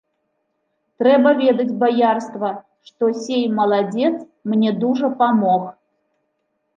Трэба ведаць, баярства, што сей маладзец мне дужа памог.